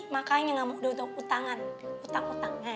makanya gak mau udah utang utangan